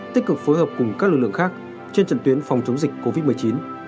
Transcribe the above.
tích cực phối hợp cùng các lực lượng khác trên trận tuyến phòng chống dịch covid một mươi chín